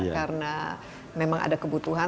karena memang ada kebutuhan